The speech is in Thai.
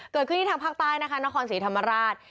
เกิดขึ้นที่ทางภาคใต้นะคะนครศรีธรรมราช